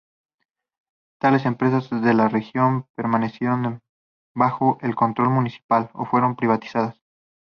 Tales empresas de la región permanecieron bajo el control municipal, o fueron privatizadas.